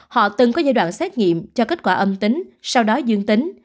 họ từng có giai đoạn xét nghiệm cho kết quả âm tính sau đó dương tính